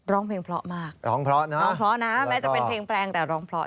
ร้องเพราะนะร้องเพราะนะแม้จะเป็นเพลงแปลงแต่ร้องเพราะ